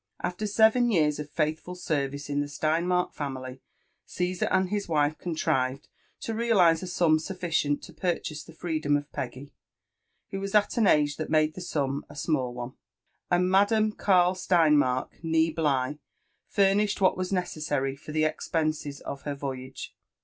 After sev^n y«a(rs of faithful service in the Steinmark family, Cftsar and his wife contrived to realise a sum sufficient to purchase the free , dom of Peggy, 'who was at an age that made the sum a small one; ' Siiid Madame Karl Steinmark, neeBligh, furnished what was ne.;es sary for the expenses other voyage.